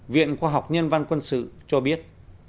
viện khoa học nhân văn quân sự cho biết